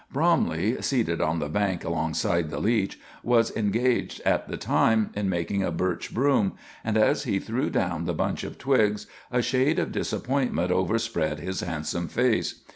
Bromley, seated on the bank alongside the leach, was engaged at the time in making a birch broom, and as he threw down the bunch of twigs a shade of disappointment overspread his handsome face.